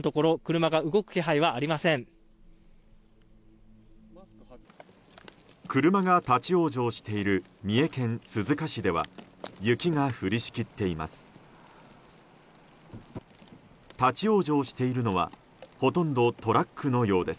車が立ち往生している三重県鈴鹿市では雪が降りしきっています。